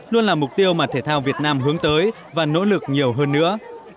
luôn là mục tiêu mà thể thao việt nam hướng tới và nỗ lực nhiều hơn nữa